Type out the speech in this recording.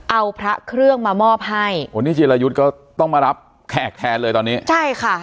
เอาพระเครื่องมามอบให้วันนี้จิรายุทธ์ก็ต้องมารับแขกแทนเลยตอนนี้ใช่ค่ะ